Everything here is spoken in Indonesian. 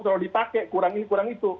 kalau dipakai kurang ini kurang itu